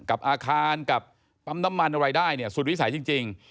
กับอาคารกับปั๊มน้ำมันอะไรได้เนี่ยสุดวิสัยจริง